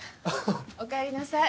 おかえりなさい。